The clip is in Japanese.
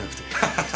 ハハハ。